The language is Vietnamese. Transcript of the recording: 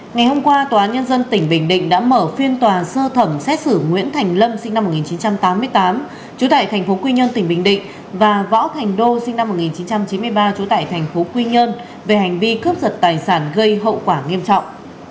ngày hôm qua tòa án nhân dân tỉnh bình định đã mở phiên tòa sơ thẩm xét xử nguyễn thành lâm sinh năm một nghìn chín trăm tám mươi tám chủ tại tp hcm tỉnh bình định và võ thành đô sinh năm một nghìn chín trăm chín mươi ba chủ tại tp hcm về hành vi cướp giật tài sản gây hậu quả nghiêm trọng